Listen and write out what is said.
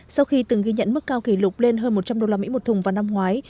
sau khi từng ghi nhận mức cao kỷ lục lên hơn một trăm linh usd một thùng vào năm ngoái